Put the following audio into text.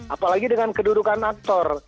apalagi dengan kedudukan aktor